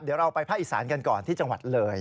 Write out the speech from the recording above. เดี๋ยวเราไปภาคอีสานกันก่อนที่จังหวัดเลย